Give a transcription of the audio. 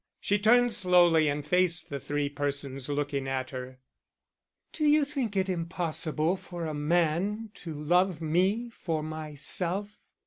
She turned slowly and faced the three persons looking at her. "Do you think it impossible for a man to love me for myself?